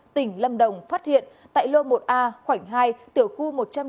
tỉnh lâm đồng phát hiện tại lô một a khoảnh hai tiểu khu một trăm linh năm